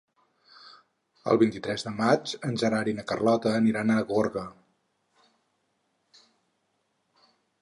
El vint-i-tres de maig en Gerard i na Carlota aniran a Gorga.